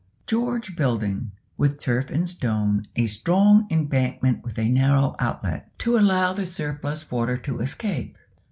George building, with turf and stone, a strong embankment with a narrow outlet, to allow the surplus water to escape.